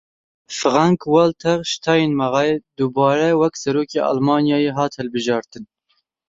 Frank Walter Steinmeier dubare wek Serokê Almanyayê hat hilbijartin.